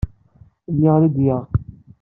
Lliɣ ledyeɣ.